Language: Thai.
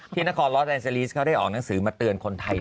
นครลอสแอนเซลีสเขาได้ออกหนังสือมาเตือนคนไทย